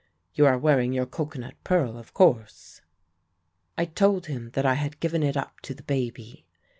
You are wearing your cocoanut pearl, of course?' "I told him that I had given it up to the baby.